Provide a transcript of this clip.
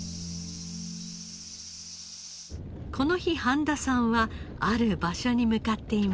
この日半田さんはある場所に向かっていました。